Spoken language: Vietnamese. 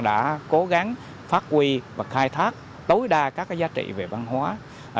hội an đã cố gắng phát huy và khai thác tối đa các giá trị về văn hóa